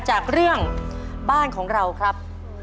จากเรื่องบ้านของเราครับ